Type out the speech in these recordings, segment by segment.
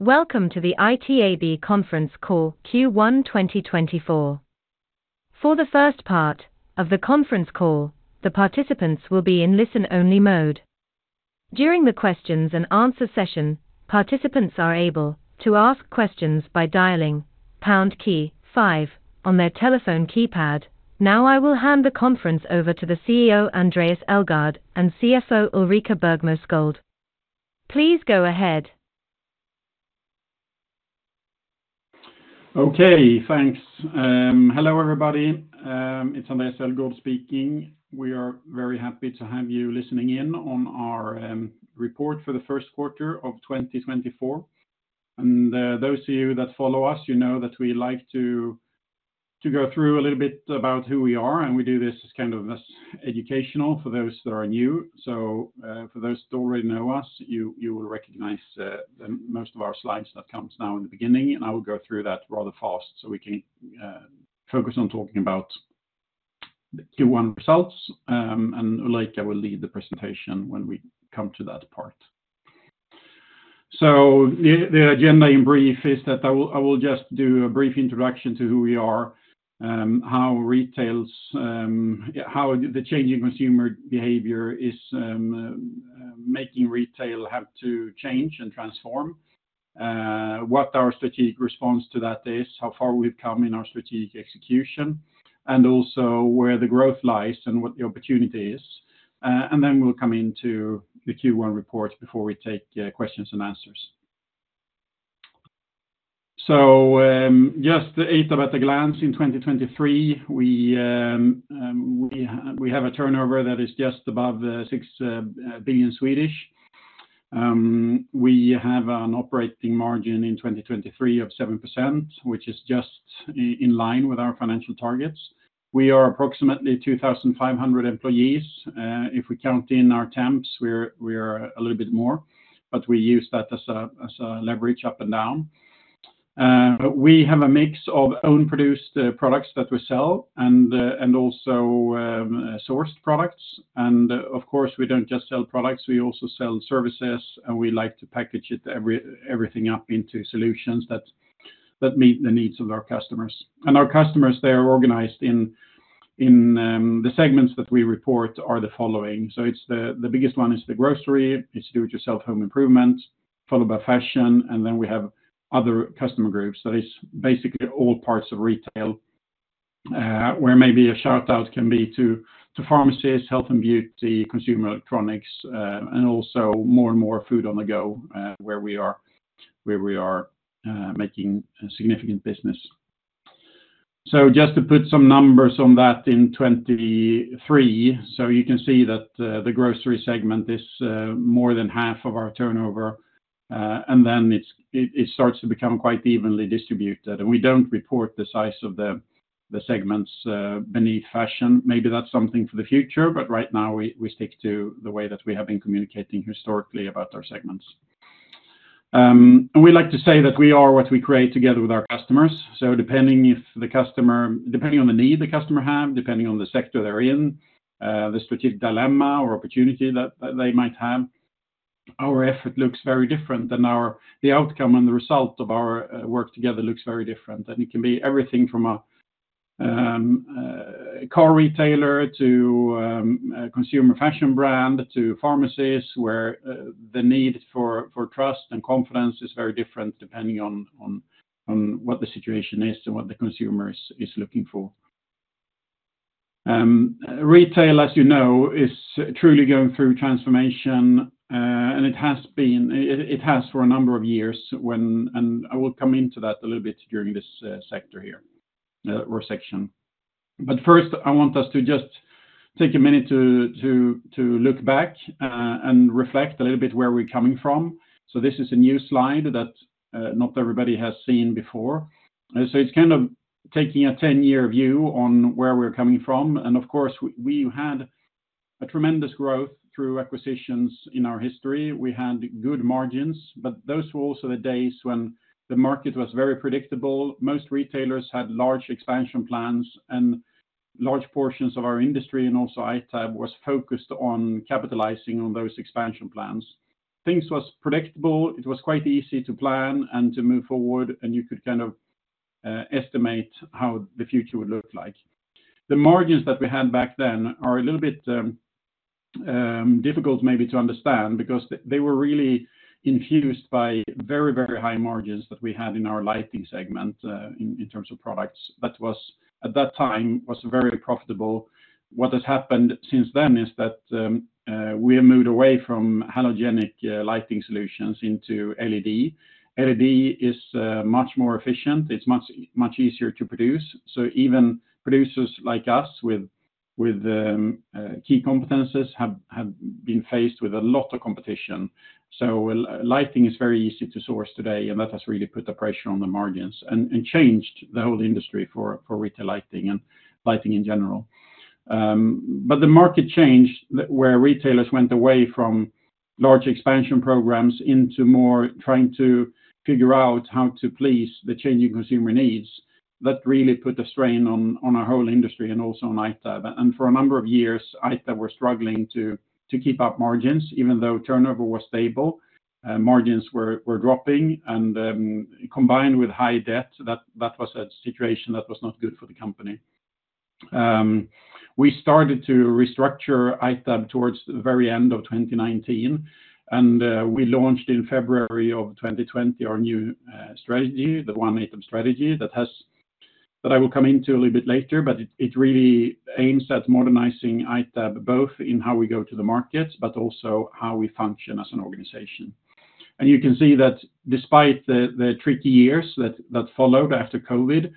Welcome to the ITAB conference call Q1 2024. For the first part of the conference call, the participants will be in listen-only mode. During the question-and-answer session, participants are able to ask questions by dialing pound key five on their telephone keypad. Now, I will hand the conference over to the CEO, Andréas Elgaard, and CFO, Ulrika Bergmo Sköld. Please go ahead. Okay, thanks. Hello, everybody. It's Andréas Elgaard speaking. We are very happy to have you listening in on our report for the first quarter of 2024. And those of you that follow us, you know that we like to go through a little bit about who we are, and we do this as kind of educational for those that are new. So for those who already know us, you will recognize the most of our slides that comes now in the beginning, and I will go through that rather fast so we can focus on talking about the Q1 results. And Ulrika will lead the presentation when we come to that part. So the agenda in brief is that I will just do a brief introduction to who we are, how retails. Yeah, how the changing consumer behavior is making retail have to change and transform, what our strategic response to that is, how far we've come in our strategic execution, and also where the growth lies and what the opportunity is. And then we'll come into the Q1 report before we take questions and answers. So, just ITAB at a glance in 2023, we have a turnover that is just above 6 billion. We have an operating margin in 2023 of 7%, which is just in line with our financial targets. We are approximately 2,500 employees. If we count in our temps, we're a little bit more, but we use that as a leverage up and down. We have a mix of own produced products that we sell and also sourced products. And of course, we don't just sell products, we also sell services, and we like to package everything up into solutions that meet the needs of our customers. And our customers, they are organized in the segments that we report are the following: So it's the biggest one is the grocery, it's do it yourself home improvement, followed by fashion, and then we have other customer groups. So it's basically all parts of retail, where maybe a shout-out can be to pharmacies, health and beauty, consumer electronics, and also more and more food on the go, where we are making a significant business. So just to put some numbers on that in 2023, so you can see that, the grocery segment is more than half of our turnover, and then it starts to become quite evenly distributed. And we don't report the size of the segments beneath fashion. Maybe that's something for the future, but right now, we stick to the way that we have been communicating historically about our segments. And we like to say that we are what we create together with our customers. So depending if the customer -- depending on the need the customer have, depending on the sector they're in, the strategic dilemma or opportunity that they might have, our effort looks very different than the outcome and the result of our work together looks very different. And it can be everything from a car retailer to a consumer fashion brand, to pharmacies, where the need for trust and confidence is very different, depending on what the situation is and what the consumer is looking for. Retail, as you know, is truly going through transformation, and it has been, it has for a number of years and I will come into that a little bit during this sector here, or section. But first, I want us to just take a minute to look back and reflect a little bit where we're coming from. So this is a new slide that not everybody has seen before. So it's kind of taking a 10-year view on where we're coming from. Of course, we, we had a tremendous growth through acquisitions in our history. We had good margins, but those were also the days when the market was very predictable. Most retailers had large expansion plans and large portions of our industry, and also ITAB, was focused on capitalizing on those expansion plans. Things was predictable. It was quite easy to plan and to move forward, and you could kind of estimate how the future would look like. The margins that we had back then are a little bit difficult maybe to understand because they, they were really infused by very, very high margins that we had in our lighting segment, in, in terms of products. That was, at that time, was very profitable. What has happened since then is that we have moved away from halogen lighting solutions into LED. LED is much more efficient. It's much, much easier to produce. So even producers like us, with key competencies have been faced with a lot of competition. So lighting is very easy to source today, and that has really put the pressure on the margins and changed the whole industry for retail lighting and lighting in general. But the market changed, where retailers went away from large expansion programs into more trying to figure out how to please the changing consumer needs. That really put a strain on our whole industry and also on ITAB. And for a number of years, ITAB were struggling to keep up margins, even though turnover was stable, margins were dropping, and combined with high debt, that was a situation that was not good for the company. We started to restructure ITAB towards the very end of 2019, and we launched in February of 2020 our new strategy, the One ITAB strategy, that I will come into a little bit later. But it really aims at modernizing ITAB, both in how we go to the markets, but also how we function as an organization. And you can see that despite the tricky years that followed after COVID,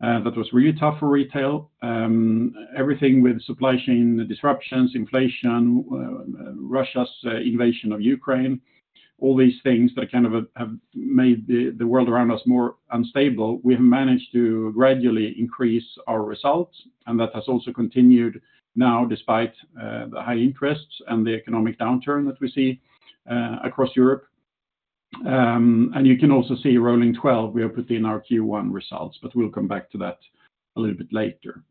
that was really tough for retail, everything with supply chain disruptions, inflation, Russia's invasion of Ukraine, all these things that kind of have made the world around us more unstable, we have managed to gradually increase our results, and that has also continued now despite the high interests and the economic downturn that we see across Europe. And you can also see rolling 12, we have put in our Q1 results, but we'll come back to that a little bit later.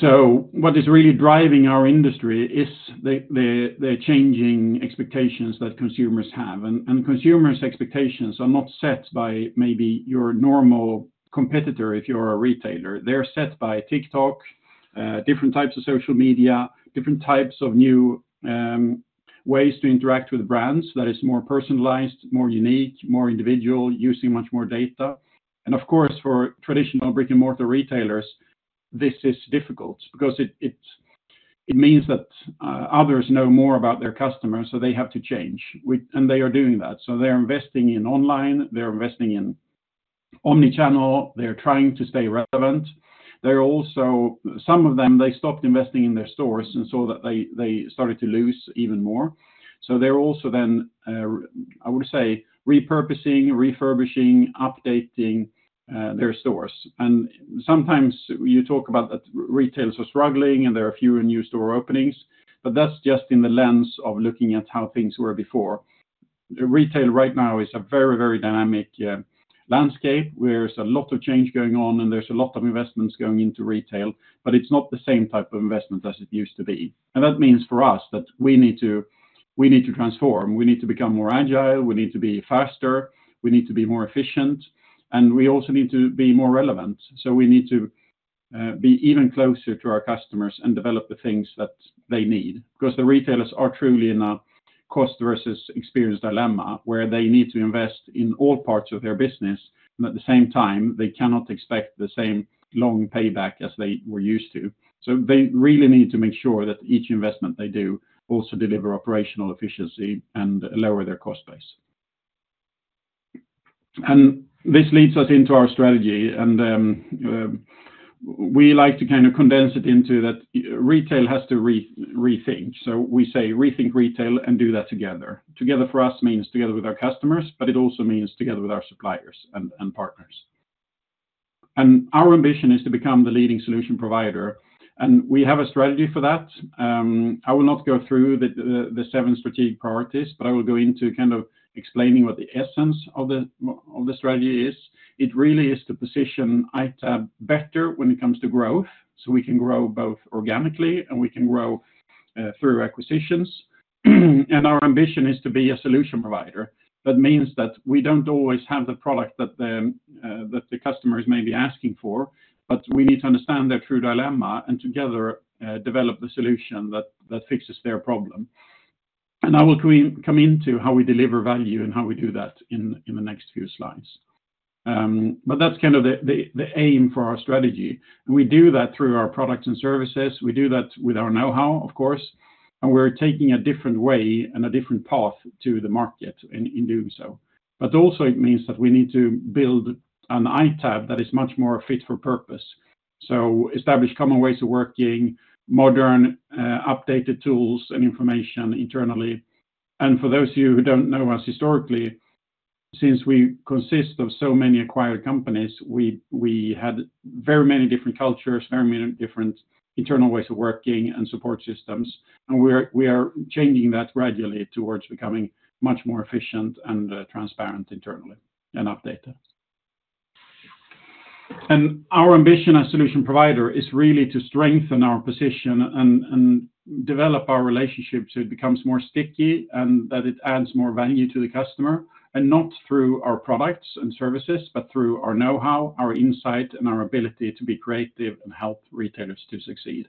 So what is really driving our industry is the changing expectations that consumers have, and consumers' expectations are not set by maybe your normal competitor, if you're a retailer. They're set by TikTok, different types of social media, different types of new ways to interact with brands that is more personalized, more unique, more individual, using much more data. And of course, for traditional brick-and-mortar retailers, this is difficult because it means that others know more about their customers, so they have to change. And they are doing that. So they're investing in online, they're investing in omni-channel, they're trying to stay relevant. They're also, some of them, they stopped investing in their stores and saw that they, they started to lose even more. So they're also then, I would say, repurposing, refurbishing, updating, their stores. And sometimes you talk about that retailers are struggling and there are fewer new store openings, but that's just in the lens of looking at how things were before. Retail right now is a very, very dynamic, landscape, where there's a lot of change going on, and there's a lot of investments going into retail, but it's not the same type of investment as it used to be. And that means for us, that we need to, we need to transform, we need to become more agile, we need to be faster, we need to be more efficient, and we also need to be more relevant. So we need to be even closer to our customers and develop the things that they need. Because the retailers are truly in a cost versus experience dilemma, where they need to invest in all parts of their business, and at the same time, they cannot expect the same long payback as they were used to. So they really need to make sure that each investment they do also deliver operational efficiency and lower their cost base. And this leads us into our strategy, and we like to kind of condense it into that retail has to rethink. So we say, rethink retail and do that together. Together for us means together with our customers, but it also means together with our suppliers and partners. And our ambition is to become the leading solution provider, and we have a strategy for that. I will not go through the seven strategic priorities, but I will go into kind of explaining what the essence of the strategy is. It really is to position ITAB better when it comes to growth, so we can grow both organically and we can grow through acquisitions. And our ambition is to be a solution provider. That means that we don't always have the product that the customers may be asking for, but we need to understand their true dilemma and together develop the solution that fixes their problem. And I will come into how we deliver value and how we do that in the next few slides. But that's kind of the aim for our strategy. And we do that through our products and services, we do that with our know-how, of course, and we're taking a different way and a different path to the market in doing so. But also it means that we need to build an ITAB that is much more fit for purpose. So establish common ways of working, modern, updated tools and information internally. And for those of you who don't know us historically, since we consist of so many acquired companies, we had very many different cultures, very many different internal ways of working and support systems, and we are changing that gradually towards becoming much more efficient and, transparent internally, and updated. Our ambition as a solution provider is really to strengthen our position and develop our relationship, so it becomes more sticky and that it adds more value to the customer, and not through our products and services, but through our know-how, our insight, and our ability to be creative and help retailers to succeed.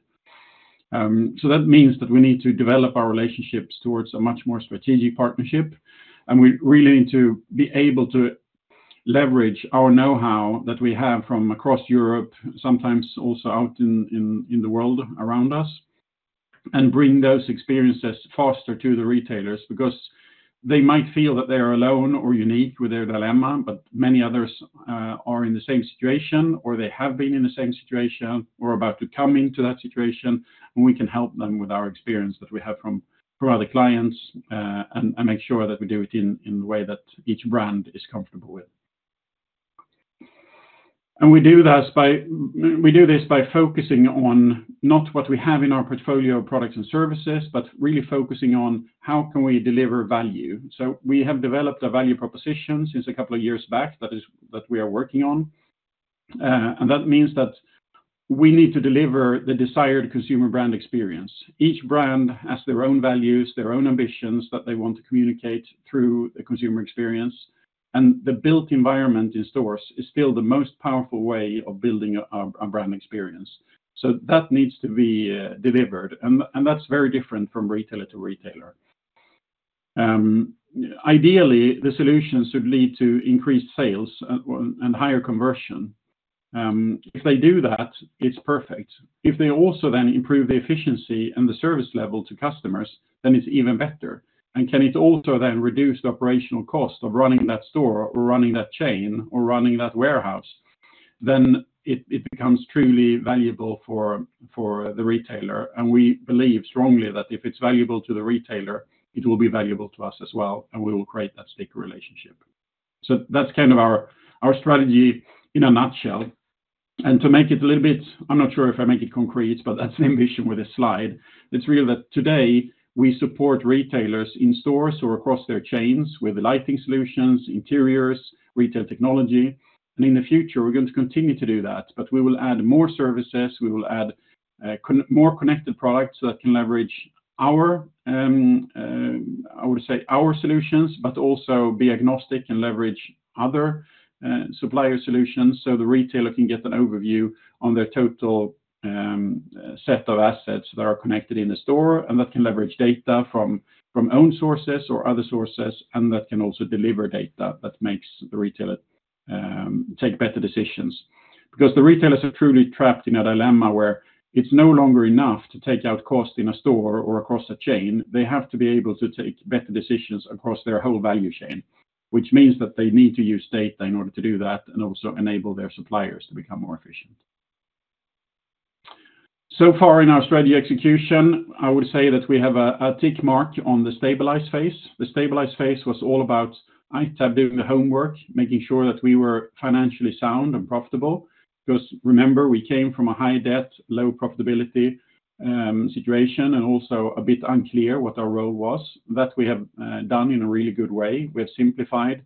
So that means that we need to develop our relationships towards a much more strategic partnership, and we really need to be able to leverage our know-how that we have from across Europe, sometimes also out in the world around us, and bring those experiences faster to the retailers, because they might feel that they are alone or unique with their dilemma, but many others are in the same situation, or they have been in the same situation, or about to come into that situation, and we can help them with our experience that we have from other clients, and make sure that we do it in a way that each brand is comfortable with. We do this by focusing on not what we have in our portfolio of products and services, but really focusing on how can we deliver value? So we have developed a value proposition since a couple of years back, that is, that we are working on. And that means that we need to deliver the desired consumer brand experience. Each brand has their own values, their own ambitions, that they want to communicate through a consumer experience. And the built environment in stores is still the most powerful way of building a brand experience. So that needs to be delivered, and that's very different from retailer to retailer. Ideally, the solutions should lead to increased sales, and higher conversion. If they do that, it's perfect. If they also then improve the efficiency and the service level to customers, then it's even better. And can it also then reduce the operational cost of running that store or running that chain or running that warehouse, then it, it becomes truly valuable for, for the retailer. And we believe strongly that if it's valuable to the retailer, it will be valuable to us as well, and we will create that stick relationship. So that's kind of our, our strategy in a nutshell. And to make it a little bit I'm not sure if I make it concrete, but that's the ambition with this slide. It's really that today, we support retailers in stores or across their chains with lighting solutions, interiors, retail technology. And in the future, we're going to continue to do that, but we will add more services. We will add more connected products that can leverage our, I would say, our solutions, but also be agnostic and leverage other supplier solutions, so the retailer can get an overview on their total set of assets that are connected in the store, and that can leverage data from own sources or other sources, and that can also deliver data that makes the retailer take better decisions. Because the retailers are truly trapped in a dilemma where it's no longer enough to take out cost in a store or across a chain. They have to be able to take better decisions across their whole value chain, which means that they need to use data in order to do that, and also enable their suppliers to become more efficient. So far in our strategy execution, I would say that we have a tick mark on the stabilize phase. The stabilize phase was all about, I have doing the homework, making sure that we were financially sound and profitable. Because, remember, we came from a high debt, low profitability situation, and also a bit unclear what our role was. That we have done in a really good way. We have simplified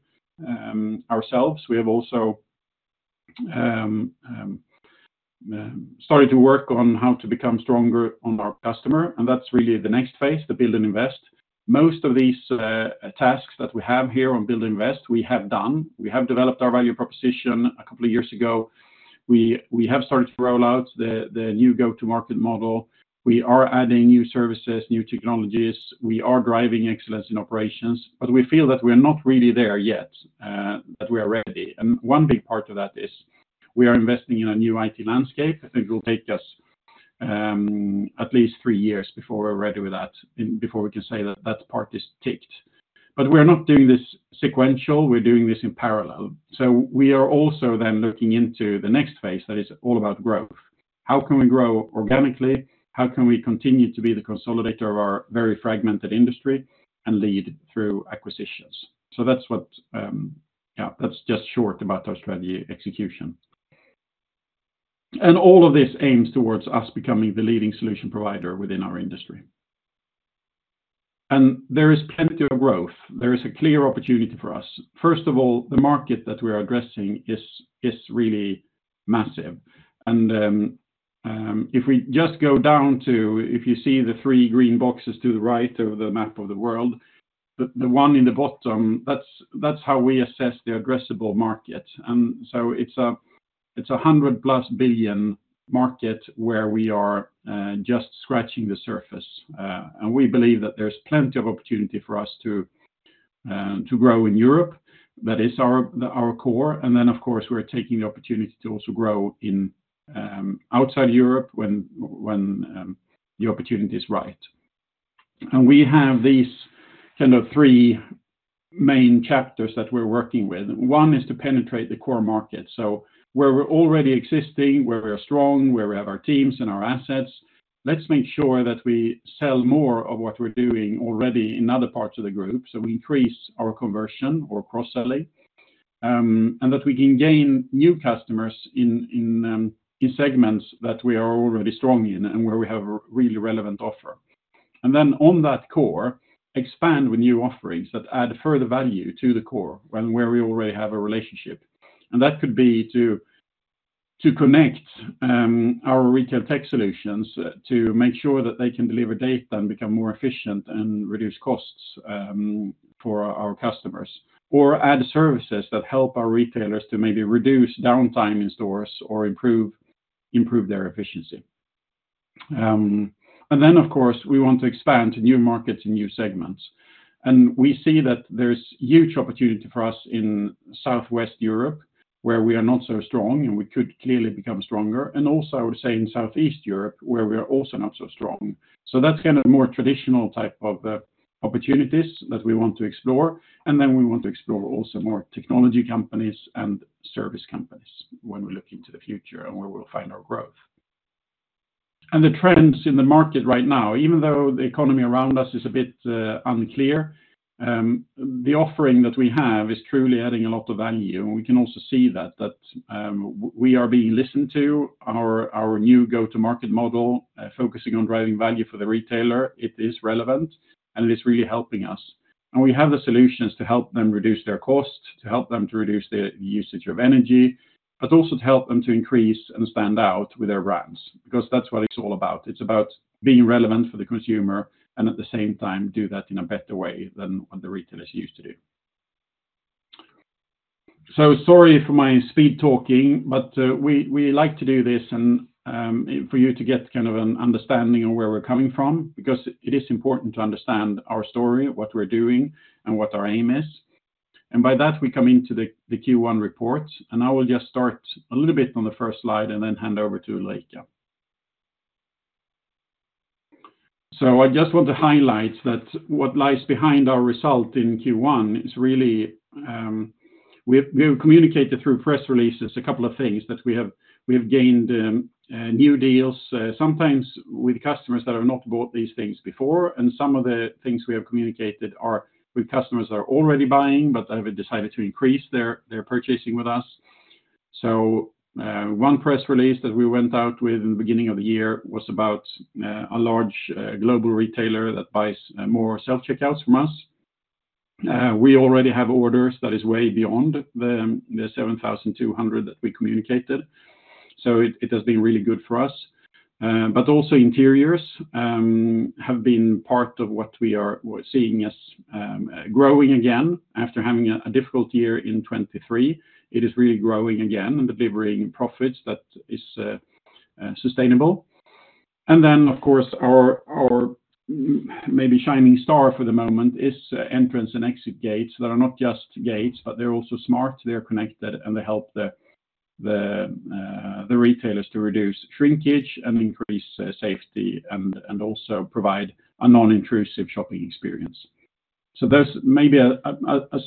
ourselves. We have also started to work on how to become stronger on our customer, and that's really the next phase, the build and invest. Most of these tasks that we have here on build invest, we have done. We have developed our value proposition a couple of years ago. We have started to roll out the new go-to-market model. We are adding new services, new technologies. We are driving excellence in operations, but we feel that we are not really there yet, that we are ready. One big part of that is we are investing in a new IT landscape. I think it will take us at least three years before we're ready with that, and before we can say that that part is ticked. But we are not doing this sequentially; we're doing this in parallel. We are also then looking into the next phase, that is all about growth. How can we grow organically? How can we continue to be the consolidator of our very fragmented industry and lead through acquisitions? That's what, yeah, that's just short about our strategy execution. All of this aims towards us becoming the leading solution provider within our industry. There is plenty of growth. There is a clear opportunity for us. First of all, the market that we are addressing is really massive. And if we just go down to, if you see the three green boxes to the right of the map of the world, the one in the bottom, that's how we assess the addressable market. And so it's a 100 billion+ SEK market where we are just scratching the surface. And we believe that there's plenty of opportunity for us to grow in Europe. That is our core. And then, of course, we're taking the opportunity to also grow in outside Europe when the opportunity is right. And we have these kind of three main chapters that we're working with. One is to penetrate the core market. So where we're already existing, where we are strong, where we have our teams and our assets, let's make sure that we sell more of what we're doing already in other parts of the group, so we increase our conversion or cross-selling. And that we can gain new customers in segments that we are already strong in and where we have a really relevant offer. And then on that core, expand with new offerings that add further value to the core and where we already have a relationship. And that could be to connect our retail tech solutions to make sure that they can deliver data and become more efficient and reduce costs for our customers, or add services that help our retailers to maybe reduce downtime in stores or improve their efficiency. And then, of course, we want to expand to new markets and new segments. And we see that there's huge opportunity for us in Southwest Europe, where we are not so strong, and we could clearly become stronger. And also, I would say, in Southeast Europe, where we are also not so strong. So that's kind of more traditional type of opportunities that we want to explore. And then we want to explore also more technology companies and service companies when we look into the future and where we'll find our growth. The trends in the market right now, even though the economy around us is a bit unclear, the offering that we have is truly adding a lot of value, and we can also see that we are being listened to, our new go-to-market model focusing on driving value for the retailer. It is relevant, and it is really helping us. We have the solutions to help them reduce their costs, to help them to reduce their usage of energy, but also to help them to increase and stand out with their brands, because that's what it's all about. It's about being relevant for the consumer, and at the same time, do that in a better way than what the retailers used to do. So sorry for my speed talking, but we like to do this and for you to get kind of an understanding of where we're coming from, because it is important to understand our story, what we're doing, and what our aim is. And by that, we come into the Q1 report, and I will just start a little bit on the first slide and then hand over to Ulrika. So I just want to highlight that what lies behind our result in Q1 is really we have communicated through press releases a couple of things, that we have gained new deals, sometimes with customers that have not bought these things before, and some of the things we have communicated are with customers that are already buying, but have decided to increase their purchasing with us. So, one press release that we went out with in the beginning of the year was about a large global retailer that buys more self-checkouts from us. We already have orders that is way beyond the 7,200 that we communicated, so it has been really good for us. But also interiors have been part of what we are, we're seeing as growing again after having a difficult year in 2023. It is really growing again and delivering profits that is sustainable. And then, of course, our maybe shining star for the moment is entrance and exit gates that are not just gates, but they're also smart, they're connected, and they help the retailers to reduce shrinkage and increase safety and also provide a non-intrusive shopping experience. So there's maybe a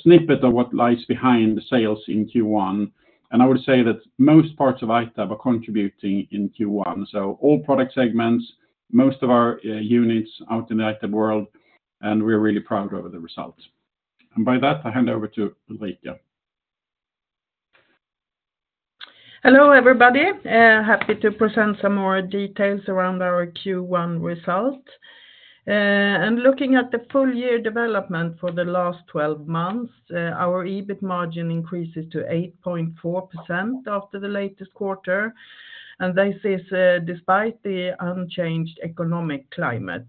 snippet of what lies behind the sales in Q1, and I would say that most parts of ITAB are contributing in Q1. So all product segments, most of our units out in the ITAB world, and we're really proud of the results. And by that, I hand over to Ulrika. Hello, everybody. Happy to present some more details around our Q1 result. Looking at the full year development for the last 12 months, our EBIT margin increases to 8.4% after the latest quarter, and this is despite the unchanged economic climate.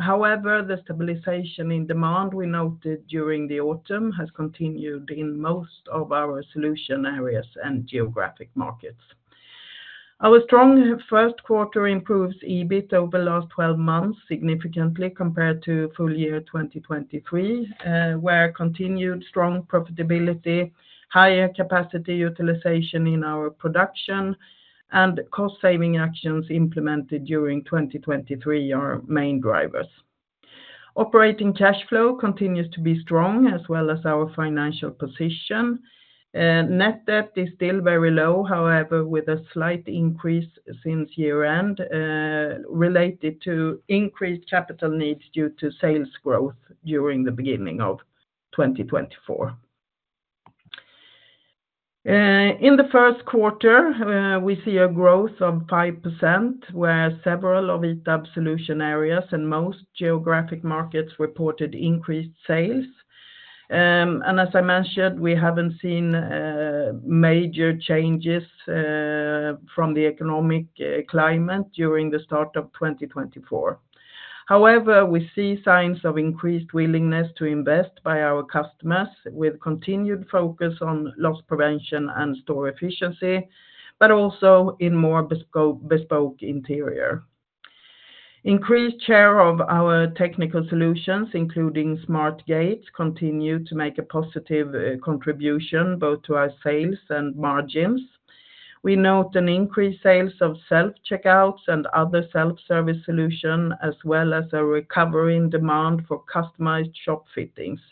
However, the stabilization in demand we noted during the autumn has continued in most of our solution areas and geographic markets. Our strong first quarter improves EBIT over the last 12 months, significantly compared to full year 2023, where continued strong profitability, higher capacity utilization in our production, and cost saving actions implemented during 2023 are main drivers. Operating cash flow continues to be strong, as well as our financial position. Net debt is still very low, however, with a slight increase since year-end, related to increased capital needs due to sales growth during the beginning of 2024. In the first quarter, we see a growth of 5%, where several of ITAB solution areas and most geographic markets reported increased sales. And as I mentioned, we haven't seen major changes from the economic climate during the start of 2024. However, we see signs of increased willingness to invest by our customers with continued focus on loss prevention and store efficiency, but also in more bespoke interior. Increased share of our technical solutions, including smart gates, continue to make a positive contribution both to our sales and margins. We note an increased sales of self-checkouts and other self-service solution, as well as a recovery in demand for customized shop fittings.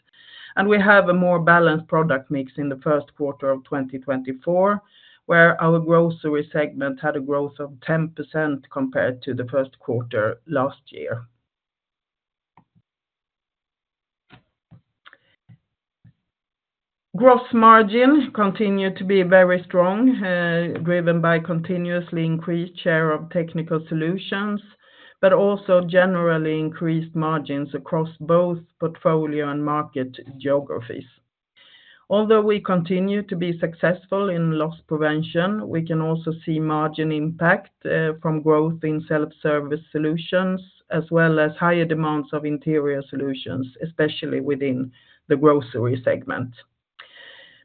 We have a more balanced product mix in the first quarter of 2024, where our grocery segment had a growth of 10% compared to the first quarter last year. Gross margin continued to be very strong, driven by continuously increased share of technical solutions, but also generally increased margins across both portfolio and market geographies. Although we continue to be successful in loss prevention, we can also see margin impact from growth in self-service solutions, as well as higher demands of interior solutions, especially within the grocery segment.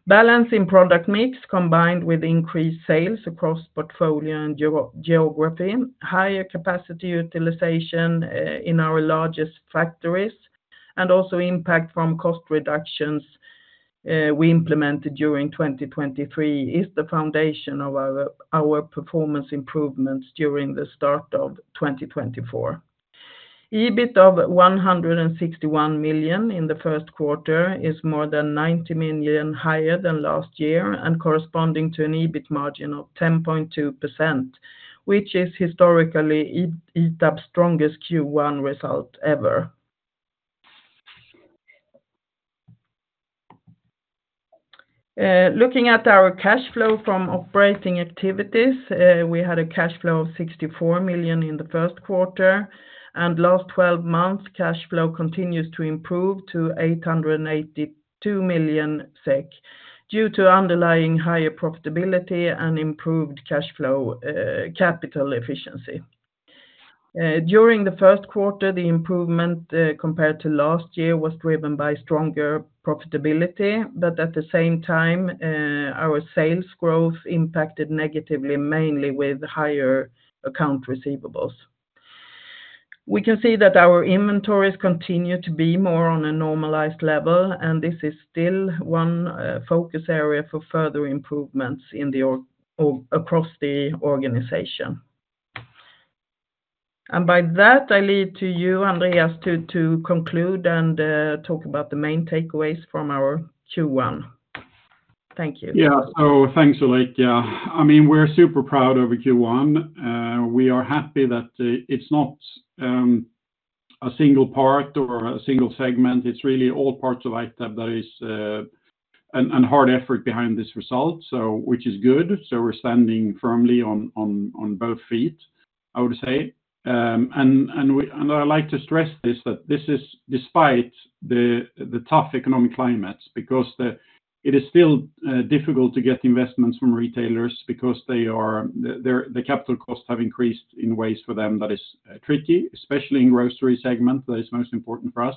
Balance in product mix, combined with increased sales across portfolio and geographies, higher capacity utilization, in our largest factories, and also impact from cost reductions, we implemented during 2023, is the foundation of our, our performance improvements during the start of 2024. EBIT of 161 million in the first quarter is more than 90 million higher than last year, and corresponding to an EBIT margin of 10.2%, which is historically ITAB's strongest Q1 result ever. Looking at our cash flow from operating activities, we had a cash flow of 64 million in the first quarter, and last 12 months, cash flow continues to improve to 882 million SEK, due to underlying higher profitability and improved cash flow, capital efficiency. During the first quarter, the improvement compared to last year was driven by stronger profitability, but at the same time, our sales growth impacted negatively, mainly with higher account receivables. We can see that our inventories continue to be more on a normalized level, and this is still one focus area for further improvements across the organization. And by that, I leave to you, Andréas, to conclude and talk about the main takeaways from our Q1. Thank you. Yeah. So thanks, Ulrika. I mean, we're super proud over Q1. We are happy that it's not a single part or a single segment. It's really all parts of ITAB that is, and hard effort behind this result, so which is good. So we're standing firmly on both feet, I would say. And I'd like to stress this, that this is despite the tough economic climates, because it is still difficult to get investments from retailers because the capital costs have increased in ways for them that is tricky, especially in grocery segment, that is most important for us.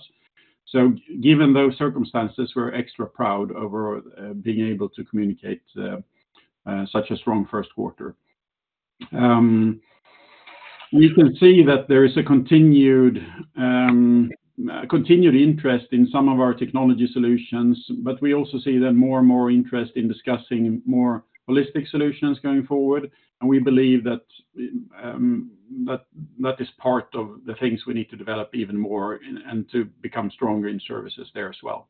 So given those circumstances, we're extra proud over being able to communicate such a strong first quarter. We can see that there is a continued interest in some of our technology solutions, but we also see more and more interest in discussing more holistic solutions going forward, and we believe that is part of the things we need to develop even more and to become stronger in services there as well.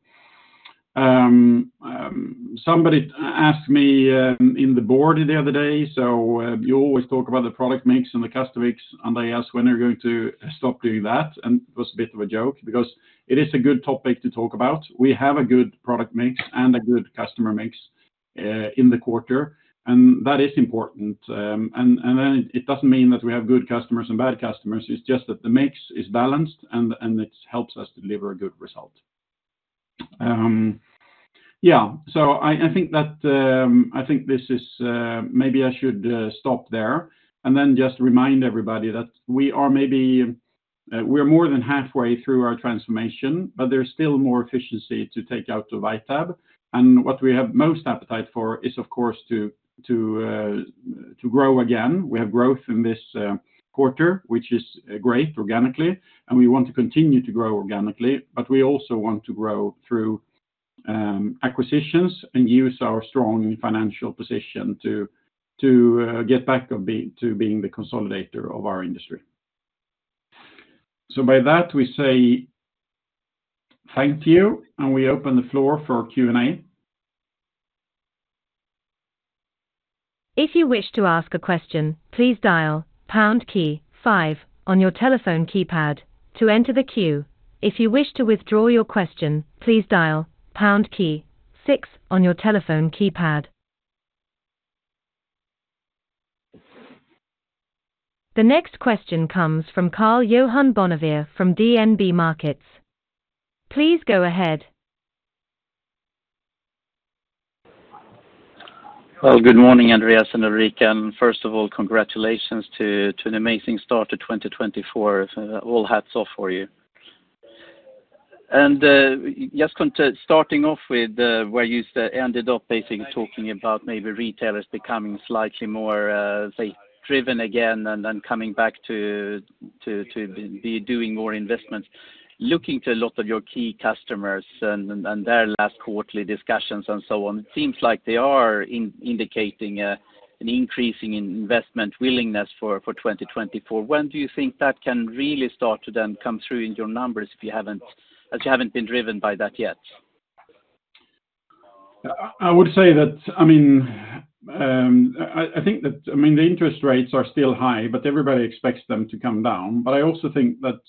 Somebody asked me in the board the other day, so you always talk about the product mix and the customer mix, and they ask when are you going to stop doing that? And it was a bit of a joke, because it is a good topic to talk about. We have a good product mix and a good customer mix in the quarter, and that is important. Then it doesn't mean that we have good customers and bad customers. It's just that the mix is balanced and it helps us deliver a good result. Yeah, so I think this is maybe I should stop there, and then just remind everybody that we are more than halfway through our transformation, but there's still more efficiency to take out to ITAB. And what we have most appetite for is, of course, to grow again. We have growth in this quarter, which is great, organically, and we want to continue to grow organically, but we also want to grow through acquisitions and use our strong financial position to get back to being the consolidator of our industry. So by that, we say thank you, and we open the floor for Q&A. If you wish to ask a question, please dial pound key five on your telephone keypad to enter the queue. If you wish to withdraw your question, please dial pound key six on your telephone keypad. The next question comes from Karl-Johan Bonnevier from DNB Markets. Please go ahead. Well, good morning, Andréas and Ulrika. First of all, congratulations to an amazing start to 2024. All hats off for you. And just starting off with where you ended up basically talking about maybe retailers becoming slightly more, say, driven again and then coming back to be doing more investments. Looking to a lot of your key customers and their last quarterly discussions and so on, it seems like they are indicating an increasing investment willingness for 2024. When do you think that can really start to then come through in your numbers if you haven't, as you haven't been driven by that yet? I would say that, I mean, I think that, I mean, the interest rates are still high, but everybody expects them to come down. But I also think that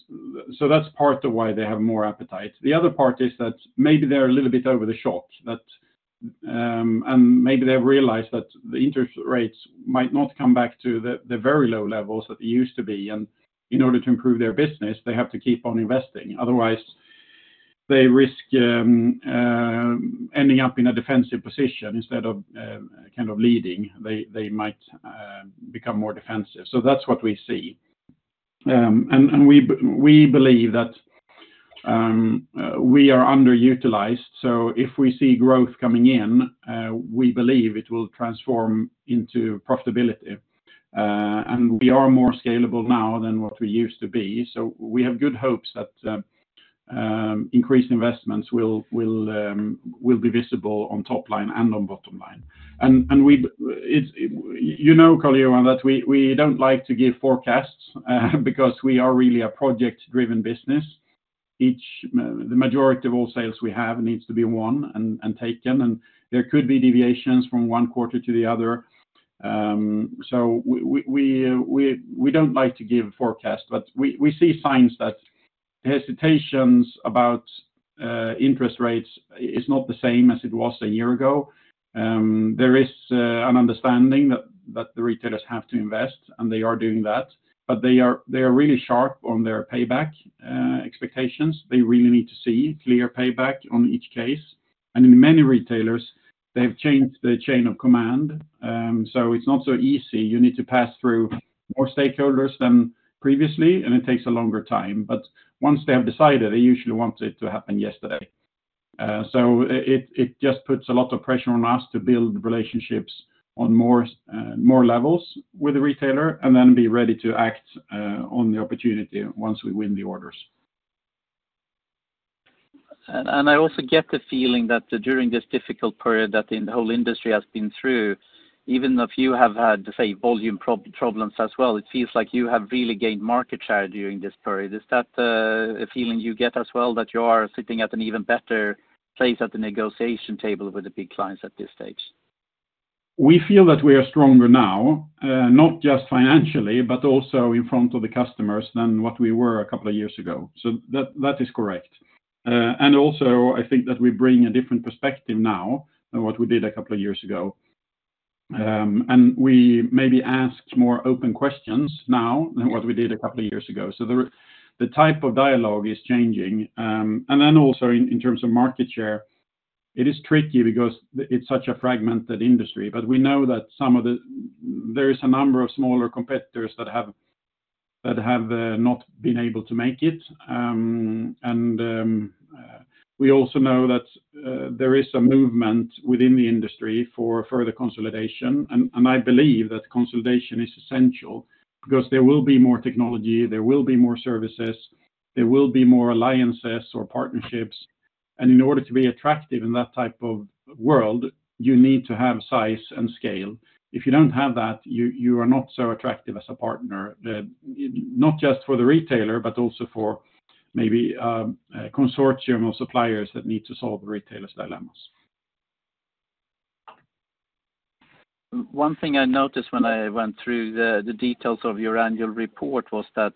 So that's part of why they have more appetite. The other part is that maybe they're a little bit over the shock, that, and maybe they've realized that the interest rates might not come back to the, the very low levels that they used to be, and in order to improve their business, they have to keep on investing. Otherwise, they risk, ending up in a defensive position instead of, kind of leading, they might become more defensive. So that's what we see. And, we believe that, we are underutilized, so if we see growth coming in, we believe it will transform into profitability. And we are more scalable now than what we used to be, so we have good hopes that increased investments will be visible on top line and on bottom line. And it's, you know, Karl-Johan, that we don't like to give forecasts because we are really a project-driven business. The majority of all sales we have needs to be won and taken, and there could be deviations from one quarter to the other. So we don't like to give forecasts, but we see signs that hesitations about interest rates is not the same as it was a year ago. There is an understanding that the retailers have to invest, and they are doing that. But they are really sharp on their payback expectations. They really need to see clear payback on each case. In many retailers, they've changed the chain of command. So it's not so easy. You need to pass through more stakeholders than previously, and it takes a longer time. But once they have decided, they usually want it to happen yesterday. So it just puts a lot of pressure on us to build relationships on more, more levels with the retailer, and then be ready to act on the opportunity once we win the orders. I also get the feeling that during this difficult period that the whole industry has been through, even though if you have had, say, volume problems as well, it feels like you have really gained market share during this period. Is that a feeling you get as well, that you are sitting at an even better place at the negotiation table with the big clients at this stage? We feel that we are stronger now, not just financially, but also in front of the customers, than what we were a couple of years ago. So that, that is correct. And also, I think that we bring a different perspective now than what we did a couple of years ago. And we maybe asked more open questions now than what we did a couple of years ago. So the type of dialogue is changing. And then also in terms of market share, it is tricky because it's such a fragmented industry. But we know that some of the There is a number of smaller competitors that have not been able to make it. And we also know that there is some movement within the industry for further consolidation. I believe that consolidation is essential, because there will be more technology, there will be more services, there will be more alliances or partnerships. In order to be attractive in that type of world, you need to have size and scale. If you don't have that, you are not so attractive as a partner, not just for the retailer, but also for maybe a consortium of suppliers that need to solve the retailer's dilemmas. One thing I noticed when I went through the details of your annual report was that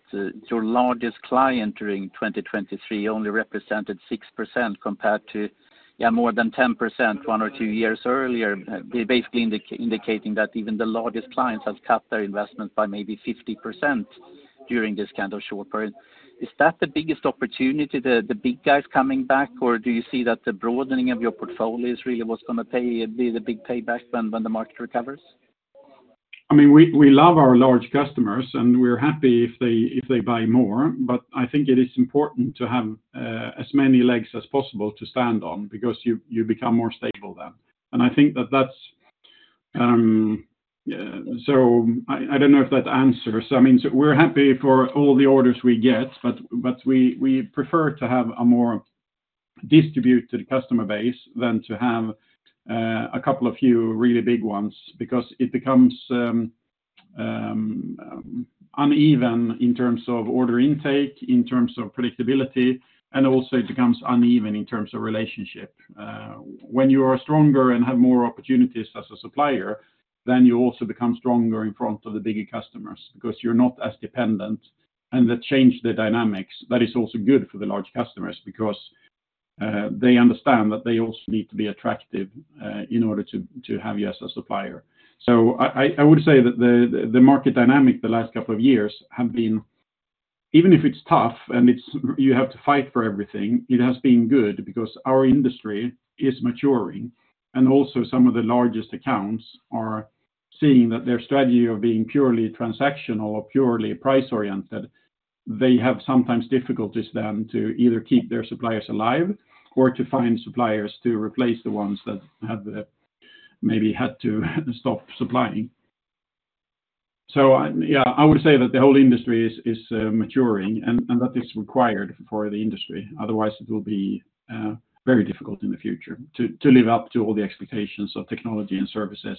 your largest client during 2023 only represented 6% compared to, yeah, more than 10% 1-2 years earlier. Basically indicating that even the largest clients have cut their investment by maybe 50% during this kind of short period. Is that the biggest opportunity, the big guys coming back, or do you see that the broadening of your portfolio is really what's gonna pay, be the big payback when the market recovers? I mean, we love our large customers, and we're happy if they buy more. But I think it is important to have as many legs as possible to stand on, because you become more stable then. And I think that's So I don't know if that answers. I mean, we're happy for all the orders we get, but we prefer to have a more distributed customer base than to have a couple of few really big ones, because it becomes uneven in terms of order intake, in terms of predictability, and also it becomes uneven in terms of relationship. When you are stronger and have more opportunities as a supplier, then you also become stronger in front of the bigger customers, because you're not as dependent, and that change the dynamics. That is also good for the large customers, because they understand that they also need to be attractive in order to have you as a supplier. So I would say that the market dynamic the last couple of years have been, even if it's tough and you have to fight for everything, it has been good because our industry is maturing. And also, some of the largest accounts are seeing that their strategy of being purely transactional or purely price-oriented, they have sometimes difficulties then to either keep their suppliers alive or to find suppliers to replace the ones that have maybe had to stop supplying. So yeah, I would say that the whole industry is maturing, and that is required for the industry. Otherwise, it will be very difficult in the future to live up to all the expectations of technology and services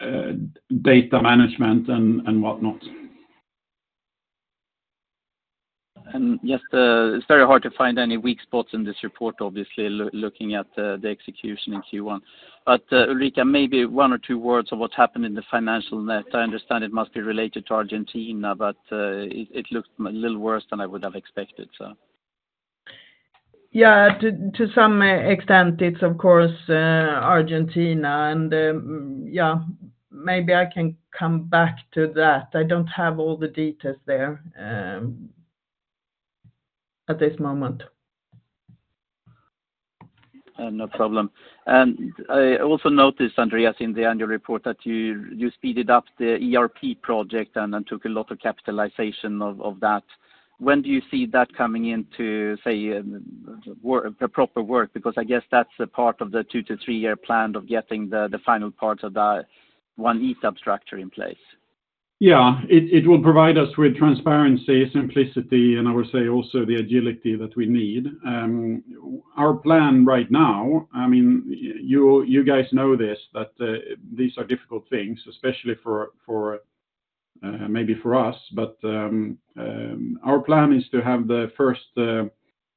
and data management and whatnot. Just, it's very hard to find any weak spots in this report, obviously, looking at the execution in Q1. But, Ulrika, maybe one or two words of what's happened in the financial net. I understand it must be related to Argentina, but it looks a little worse than I would have expected, so. Yeah, to some extent, it's of course Argentina, and yeah, maybe I can come back to that. I don't have all the details there at this moment. No problem. And I also noticed, Andréas, in the annual report, that you speeded up the ERP project and took a lot of capitalization of that. When do you see that coming into, say, the proper work? Because I guess that's a part of the 2-3 years plan of getting the final parts of that One ITAB structure in place. Yeah, it will provide us with transparency, simplicity, and I would say also the agility that we need. Our plan right now, I mean, you guys know this, that these are difficult things, especially for maybe for us. But our plan is to have the first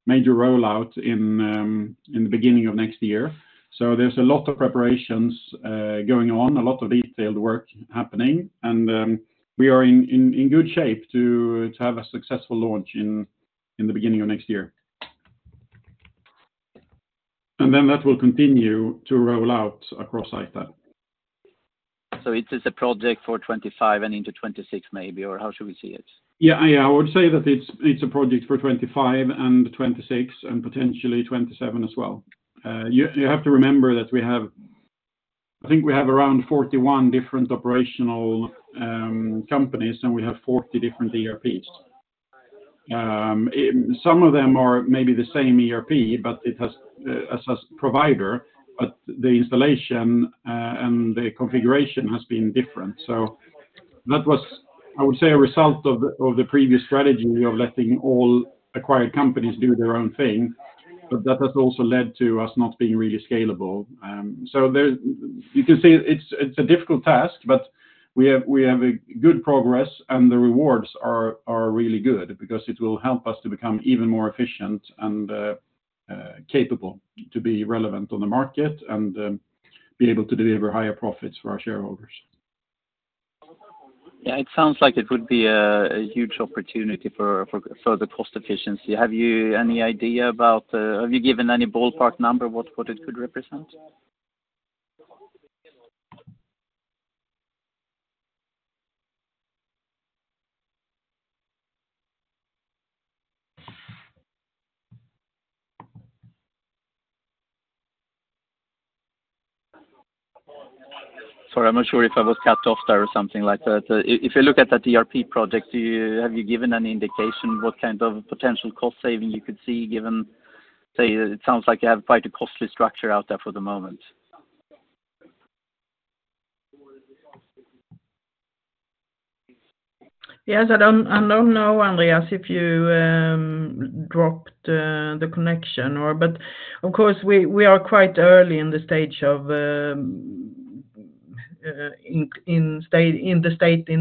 major rollout in the beginning of next year. So there's a lot of preparations going on, a lot of detailed work happening, and we are in good shape to have a successful launch in the beginning of next year. And then that will continue to roll out across ITAB. It is a project for 2025 and into 2026, maybe, or how should we see it? Yeah, yeah, I would say that it's a project for 2025 and 2026, and potentially 2027 as well. You have to remember that we have—I think we have around 41 different operational companies, and we have 40 different ERPs. Some of them are maybe the same ERP, but it has, as provider, but the installation and the configuration has been different. So that was, I would say, a result of the previous strategy of letting all acquired companies do their own thing, but that has also led to us not being really scalable. So there, you can say it's, it's a difficult task, but we have, we have a good progress, and the rewards are, are really good because it will help us to become even more efficient and, capable to be relevant on the market and, be able to deliver higher profits for our shareholders. Yeah, it sounds like it would be a huge opportunity for further cost efficiency. Have you any idea about Have you given any ballpark number, what it could represent? Sorry, I'm not sure if I was cut off there or something like that. If you look at the ERP project, have you given any indication what kind of potential cost saving you could see, given, say, it sounds like you have quite a costly structure out there for the moment? Yes, I don't know, Andréas, if you dropped the connection or, but of course, we are quite early in the stage of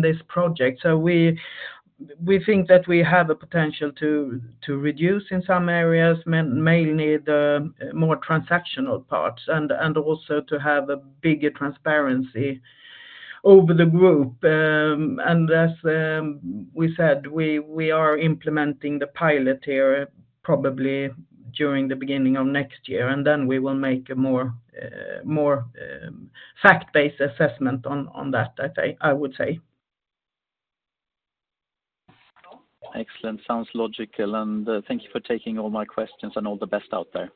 this project. So we think that we have a potential to reduce in some areas, mainly the more transactional parts and also to have a bigger transparency over the group. And as we said, we are implementing the pilot here probably during the beginning of next year, and then we will make a more fact-based assessment on that, I think, I would say. Excellent. Sounds logical, and thank you for taking all my questions, and all the best out there.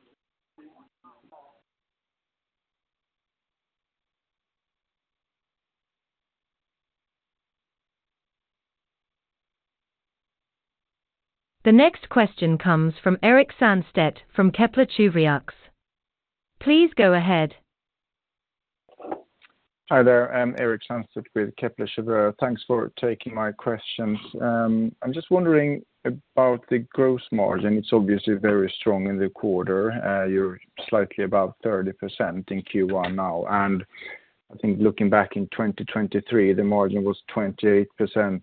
The next question comes from Erik Sandstedt from Kepler Cheuvreux. Please go ahead. Hi there, I'm Erik Sandstedt with Kepler Cheuvreux. Thanks for taking my questions. I'm just wondering about the gross margin. It's obviously very strong in the quarter. You're slightly above 30% in Q1 now, and I think looking back in 2023, the margin was 28%,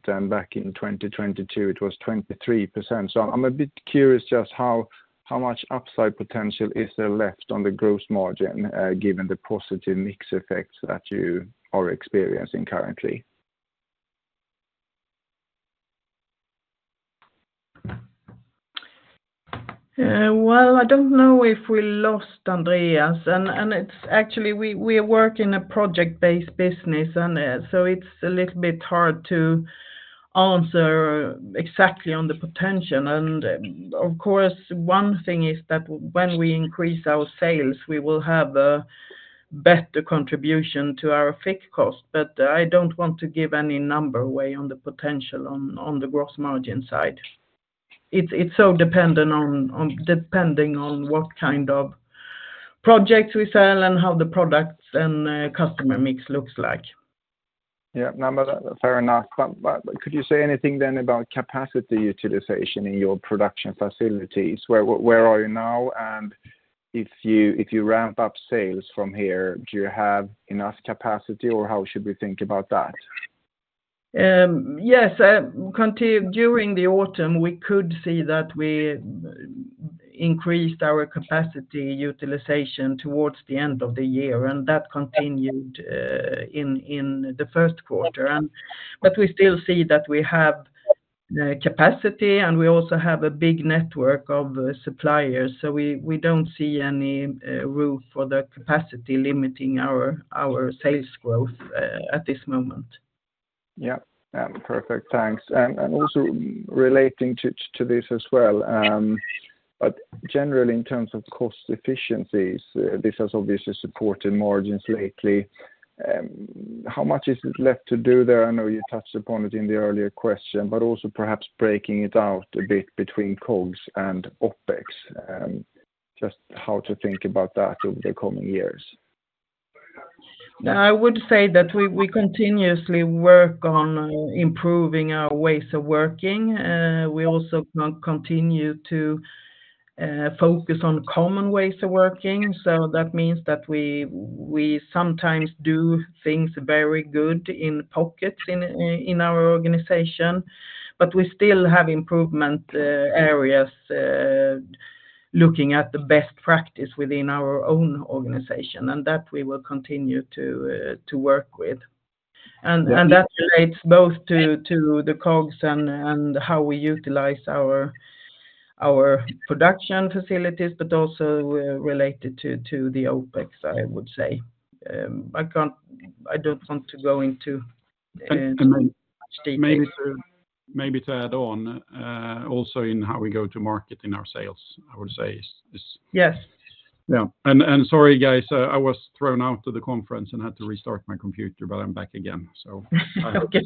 and back in 2022, it was 23%. So I'm a bit curious just how, how much upside potential is there left on the gross margin, given the positive mix effects that you are experiencing currently? Well, I don't know if we lost Andréas. And it's actually we work in a project-based business, so it's a little bit hard to answer exactly on the potential. And of course, one thing is that when we increase our sales, we will have a better contribution to our fixed cost. But I don't want to give any number away on the potential on the gross margin side. It's so dependent on, depending on what kind of projects we sell and how the products and customer mix looks like. Yeah. No, but fair enough. But could you say anything then about capacity utilization in your production facilities? Where are you now? And if you ramp up sales from here, do you have enough capacity, or how should we think about that? Yes, during the autumn, we could see that we increased our capacity utilization towards the end of the year, and that continued in the first quarter. But we still see that we have capacity, and we also have a big network of suppliers, so we don't see any room for the capacity limiting our sales growth at this moment. Yeah. Perfect. Thanks. And also relating to this as well, but generally, in terms of cost efficiencies, this has obviously supported margins lately. How much is left to do there? I know you touched upon it in the earlier question, but also perhaps breaking it out a bit between COGS and OpEx, just how to think about that over the coming years. I would say that we continuously work on improving our ways of working. We also do not continue to focus on common ways of working. So that means that we sometimes do things very good in pockets in our organization, but we still have improvement areas looking at the best practice within our own organization, and that we will continue to work with. And that relates both to the COGS and how we utilize our production facilities, but also related to the OpEx, I would say. I can't—I don't want to go into details. Maybe to add on, also in how we go to market in our sales, I would say is. Yes. Yeah. And sorry, guys, I was thrown out of the conference and had to restart my computer, but I'm back again, so. Okay.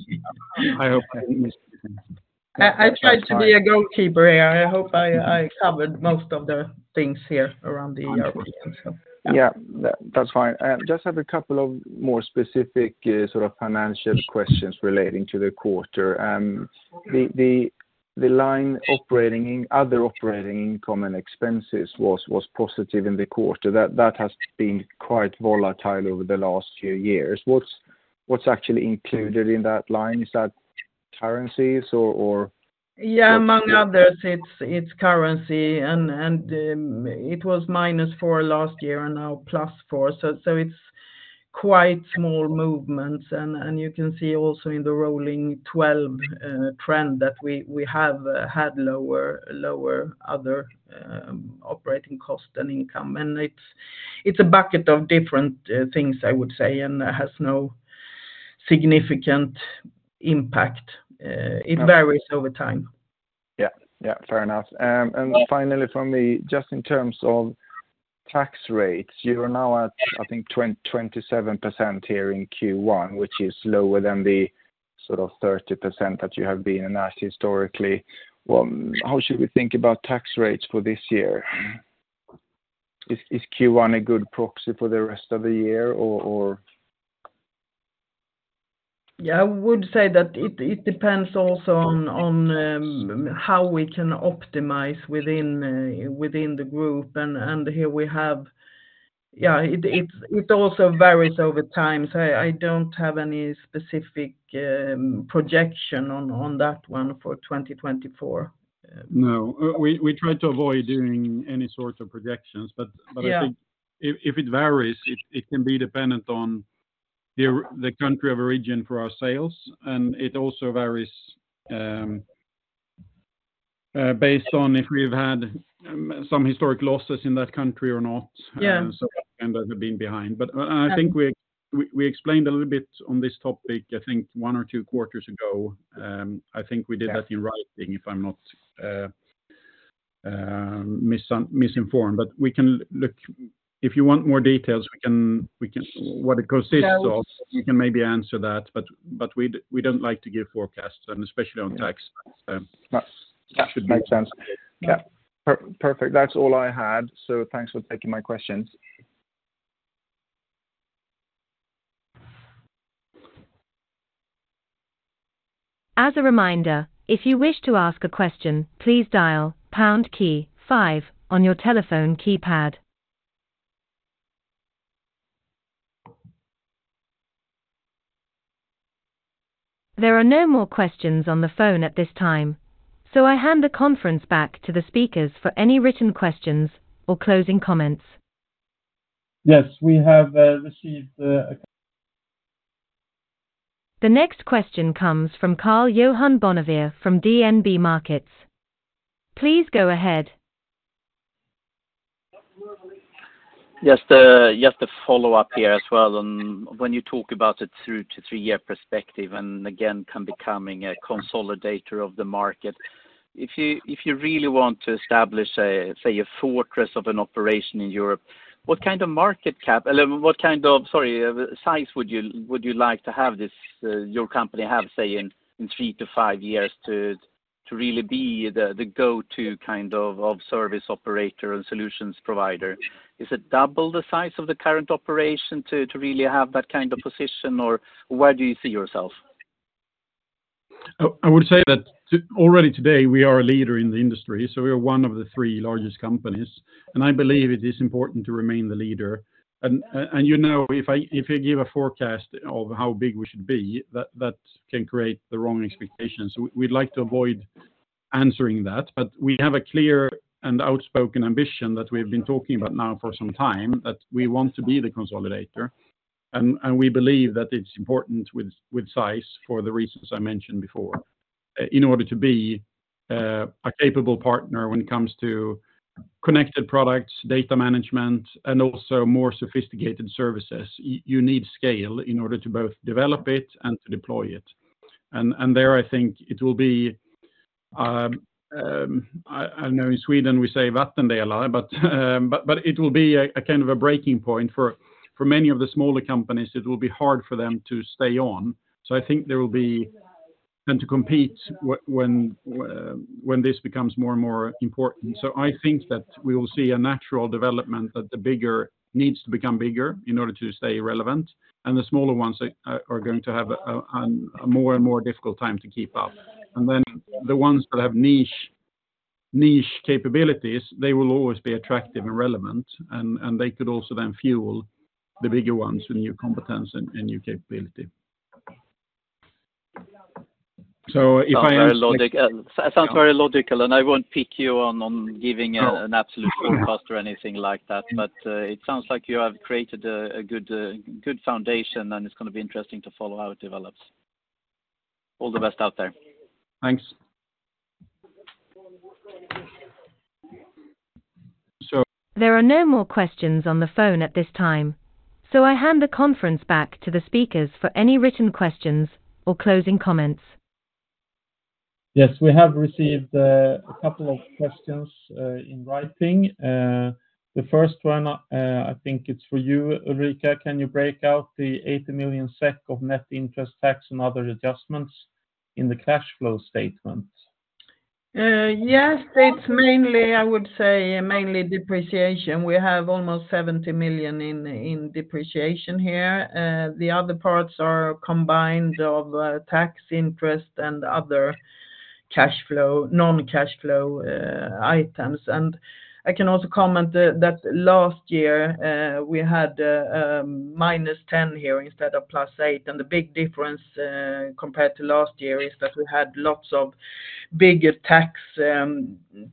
I hope I didn't miss anything. I tried to be a gatekeeper here. I hope I covered most of the things here around the OpEx, so. Yeah, that's fine. Just have a couple of more specific, sort of financial questions relating to the quarter. The line operating income and other operating expenses was positive in the quarter. That has been quite volatile over the last few years. What's actually included in that line? Is that currencies or- Yeah, among others, it's currency, and it was -4 last year and now +4. So it's quite small movements. And you can see also in the rolling 12 trend that we have had lower other operating cost and income. And it's a bucket of different things I would say, and has no significant impact. It varies over time. Yeah. Yeah, fair enough. And finally from me, just in terms of tax rates, you are now at, I think, 27% here in Q1, which is lower than the sort of 30% that you have been at historically. Well, how should we think about tax rates for this year? Is Q1 a good proxy for the rest of the year, or, or Yeah, I would say that it depends also on how we can optimize within the group. Yeah, it also varies over time. So I don't have any specific projection on that one for 2024. No. We try to avoid doing any sorts of projections. Yeah. But I think if it varies, it can be dependent on the country of origin for our sales, and it also varies based on if we've had some historic losses in that country or not. Yeah. So that ended up being behind. Yeah. But I think we explained a little bit on this topic, I think, one or two quarters ago. I think we did that in writing, if I'm not misinformed. But we can look If you want more details, we can What it consists of, we can maybe answer that, but we don't like to give forecasts, and especially on tax. That should be- That makes sense. Yeah. Perfect. That's all I had, so thanks for taking my questions. As a reminder, if you wish to ask a question, please dial pound key five on your telephone keypad. There are no more questions on the phone at this time, so I hand the conference back to the speakers for any written questions or closing comments. Yes, we have received. The next question comes from Karl-Johan Bonnevier from DNB Markets. Please go ahead. Just a follow-up here as well on when you talk about a 2-3-year perspective, and again on becoming a consolidator of the market. If you really want to establish a, say, a fortress of an operation in Europe, what kind of market cap, what kind of, sorry, size would you like to have this, your company have, say, in 3-5 years to really be the go-to kind of service operator and solutions provider? Is it double the size of the current operation to really have that kind of position, or where do you see yourself? I would say that already today, we are a leader in the industry, so we are one of the three largest companies, and I believe it is important to remain the leader. And, you know, if I give a forecast of how big we should be, that can create the wrong expectations. We'd like to avoid answering that, but we have a clear and outspoken ambition that we've been talking about now for some time, that we want to be the consolidator. And we believe that it's important with size for the reasons I mentioned before. In order to be a capable partner when it comes to connected products, data management, and also more sophisticated services, you need scale in order to both develop it and to deploy it. I think it will be. I know in Sweden, we say Vattenfall a lot, but it will be a kind of a breaking point for many of the smaller companies; it will be hard for them to stay on. So I think there will be and to compete when this becomes more and more important. So I think that we will see a natural development, that the bigger needs to become bigger in order to stay relevant, and the smaller ones are going to have a more and more difficult time to keep up. And then the ones that have niche capabilities, they will always be attractive and relevant, and they could also then fuel the bigger ones with new competence and new capability. So if I- Sounds very logical. Sounds very logical, and I won't pick you on giving an absolute forecast or anything like that. But, it sounds like you have created a, a good, good foundation, and it's gonna be interesting to follow how it develops. All the best out there. Thanks. There are no more questions on the phone at this time, so I hand the conference back to the speakers for any written questions or closing comments. Yes, we have received a couple of questions in writing. The first one, I think it's for you, Ulrika. Can you break out the 80 million SEK of net interest tax and other adjustments in the cash flow statement? Yes, it's mainly, I would say, mainly depreciation. We have almost 70 million in depreciation here. The other parts are combined of tax interest and other cash flow, non-cash flow items. And I can also comment that last year we had -10 here instead of +8, and the big difference compared to last year is that we had lots of bigger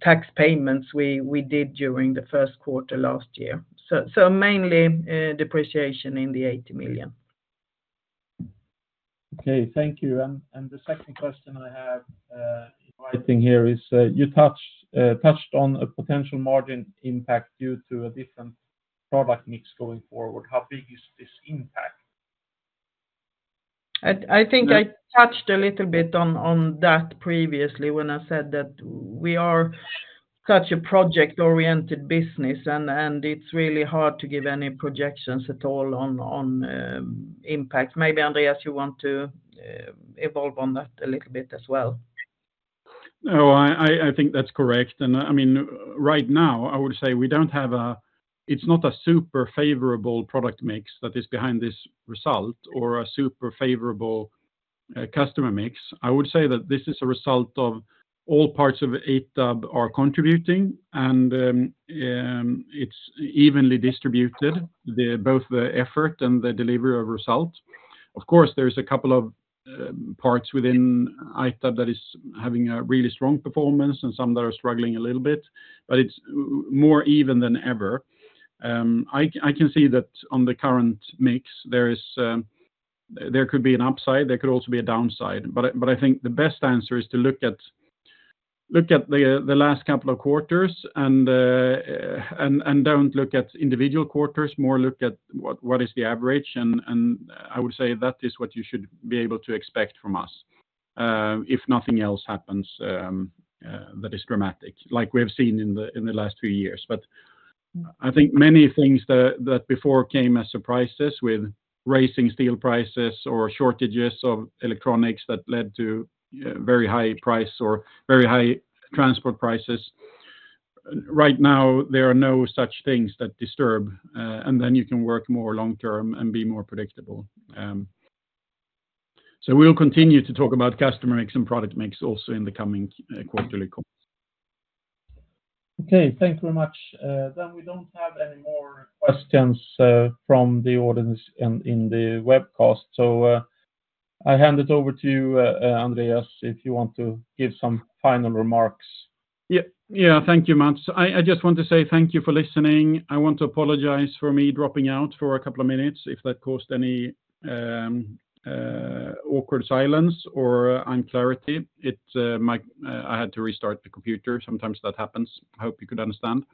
tax payments we did during the first quarter last year. So mainly depreciation in the 80 million. Okay, thank you. And the second question I have in writing here is, you touched on a potential margin impact due to a different product mix going forward. How big is this impact? I think I touched a little bit on that previously, when I said that we are such a project-oriented business, and it's really hard to give any projections at all on impact. Maybe, Andréas, you want to evolve on that a little bit as well? No, I think that's correct. And, I mean, right now, I would say we don't have a It's not a super favorable product mix that is behind this result or a super favorable customer mix. I would say that this is a result of all parts of ITAB are contributing, and it's evenly distributed, both the effort and the delivery of result. Of course, there's a couple of parts within ITAB that is having a really strong performance and some that are struggling a little bit, but it's more even than ever. I can see that on the current mix, there is, there could be an upside, there could also be a downside. But I think the best answer is to look at the last couple of quarters and don't look at individual quarters, more look at what is the average. I would say that is what you should be able to expect from us, if nothing else happens that is dramatic, like we have seen in the last two years. But I think many things that before came as surprises, with rising steel prices or shortages of electronics that led to very high prices or very high transport prices. Right now, there are no such things that disturb, and then you can work more long term and be more predictable. So we'll continue to talk about customer mix and product mix also in the coming quarterly calls. Okay, thank you very much. Then we don't have any more questions from the audience in the webcast. So, I hand it over to you, Andréas, if you want to give some final remarks. Yeah. Yeah, thank you, Mats. I, I just want to say thank you for listening. I want to apologize for me dropping out for a couple of minutes, if that caused any awkward silence or unclarity. It, my I had to restart the computer. Sometimes that happens. I hope you could understand.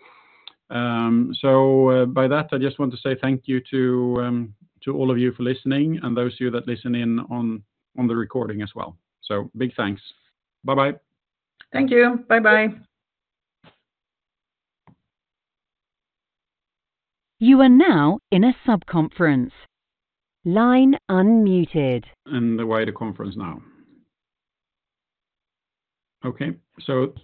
So, by that, I just want to say thank you to, to all of you for listening, and those of you that listen in on, on the recording as well. So big thanks. Bye-bye. Thank you. Bye-bye. You are now in a sub-conference. Line unmuted. In the wider conference now. Okay. So,